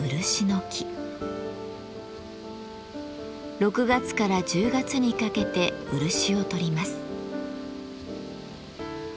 ６月から１０月にかけて漆をとります。